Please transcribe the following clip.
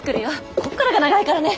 こっからが長いからね！